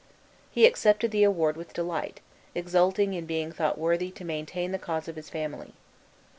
He accepted the award with delight, exulting in being thought worthy to maintain the cause of his family.